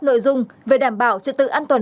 nội dung về đảm bảo trật tự an toàn